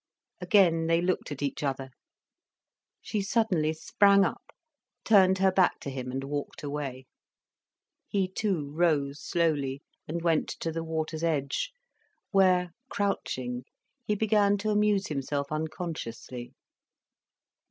Again they looked at each other. She suddenly sprang up, turned her back to him, and walked away. He too rose slowly and went to the water's edge, where, crouching, he began to amuse himself unconsciously.